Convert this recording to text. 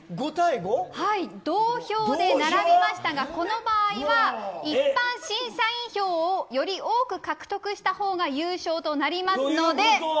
同票で並びましたがこの場合は一般審査員票をより多く獲得した方が優勝となりますので。